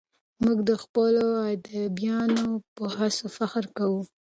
موږ د خپلو ادیبانو په هڅو فخر کوو.